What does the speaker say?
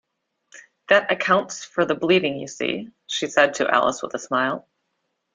‘That accounts for the bleeding, you see,’ she said to Alice with a smile.